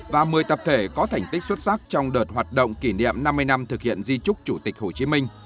và một mươi tập thể có thành tích xuất sắc trong đợt hoạt động kỷ niệm năm mươi năm thực hiện di trúc chủ tịch hồ chí minh